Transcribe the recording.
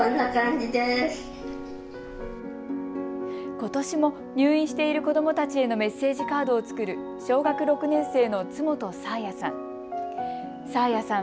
ことしも入院している子どもたちへのメッセージカードを作る小学６年生の湊元紗彩さん。